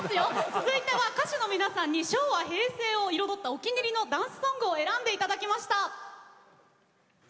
続いては歌手の皆さんに昭和平成を彩ったお気に入りのダンスソングを選んで頂きました。